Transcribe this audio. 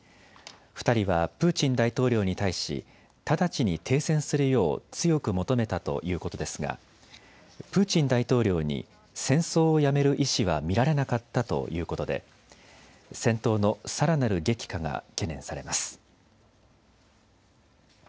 ２人はプーチン大統領に対し直ちに停戦するよう強く求めたということですがプーチン大統領に戦争をやめる意思は見られなかったということで戦闘のさらなる激化が懸念されます。